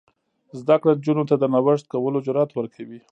زده کړه نجونو ته د نوښت کولو جرات ورکوي.